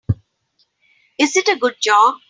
Is it a good job?